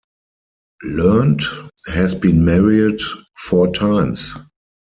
Learned has been married four times.